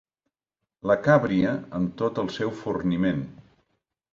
La càbria amb tot el seu forniment.